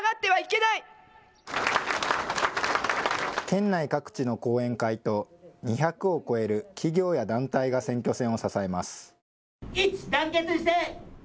県内各地の後援会と２００を超える企業や団体が選挙戦を支えます。